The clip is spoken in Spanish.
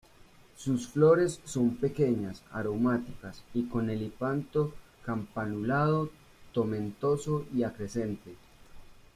Sus flores son pequeñas, aromáticas y con el hipanto campanulado, tomentoso y acrescente.